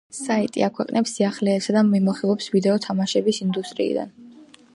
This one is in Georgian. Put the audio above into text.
საიტი აქვეყნებს სიახლეებსა და მიმოხილვებს ვიდეო თამაშების ინდუსტრიიდან.